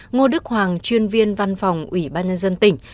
ngô đức hoàng chuyên viên văn phòng ủy ban nhân dân tỉnh